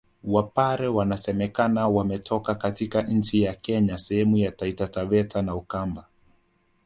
Wapare wanasemekana wametoka katika nchi ya Kenya sehemu za Taita Taveta na Ukamba